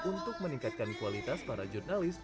untuk meningkatkan kualitas para jurnalis